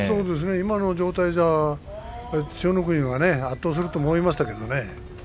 今の上体だと千代の国が圧倒すると思いましたがね